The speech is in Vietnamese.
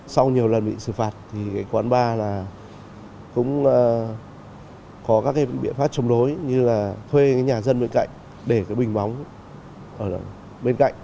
sau nhiều lần bị sự phạt thì quán ba cũng có các biện pháp chống đối như là thuê nhà dân bên cạnh để bình bóng bên cạnh